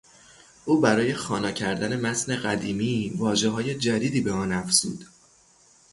او برای خوانا کردن متن قدیمی واژههای جدیدی به آن افزود.